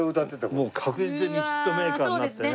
もう確実にヒットメーカーになってね。